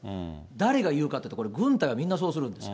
誰が言うかっていうと、これ、軍隊はみんなそうするんですよ。